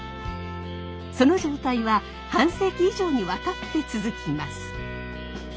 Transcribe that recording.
その状態は半世紀以上にわたって続きます。